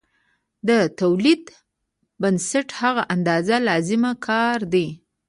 د تولید بنسټ هغه اندازه لازمي کار دی